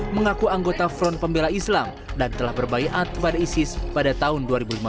mengaku anggota front pembela islam dan telah berbayaat kepada isis pada tahun dua ribu lima belas